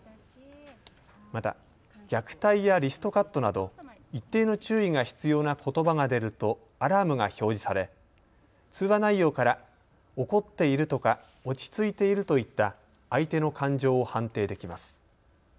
また、虐待やリストカットなど一定の注意が必要なことばが出るとアラームが表示され通話内容から怒っているとか落ち着いているといった相手の感情を判定できます。